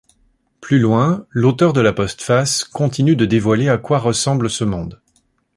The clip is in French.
Plus loin, l’auteur de la postface continue de dévoiler à quoi ressemble ce monde.